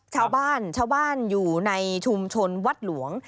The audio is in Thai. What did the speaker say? ชาวบ้านชาวบ้านอยู่ในชุมชนวัดหลวง